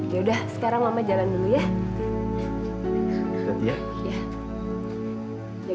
yaudah sekarang mama jalan dulu ya